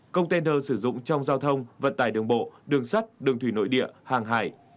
công tên hợp sử dụng trong giao thông vận tài đường bộ đường sắt đường thủy nội địa hàng hải